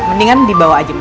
mendingan dibawa aja